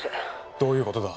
どういうことだ？